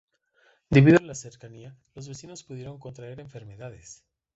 Debido a la cercanía, los vecinos pudieron contraer enfermedades.